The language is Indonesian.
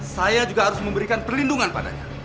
saya juga harus memberikan perlindungan padanya